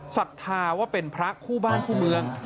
ศรัทธาว่าเป็นพระคู่บ้านคู่เมือง